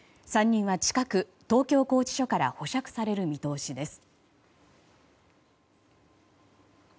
３人は近く、東京拘置所から保釈される見通しです。